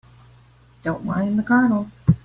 Don't mind the Colonel.